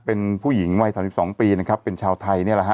เป็นผู้หญิงวัย๓๒ปีนะครับเป็นชาวไทยนี่แหละฮะ